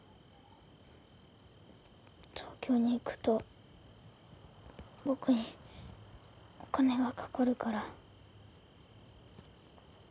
東京に行くと僕にお金がかかるから。